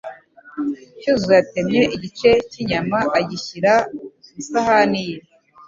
Cyuzuzo yatemye igice cy'inyama agishyira ku isahani ye.